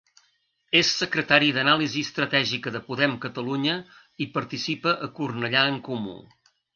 És secretari d'anàlisi estratègica de Podem Catalunya i participa a Cornellà En Comú.